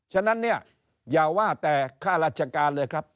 ฉะนั้นเนี่ยอย่าว่าแต่ค่าราชการเลยครับ